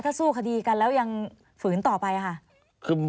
ถ้าสู้คดีกันแล้วยังฝืนต่อไปค่ะ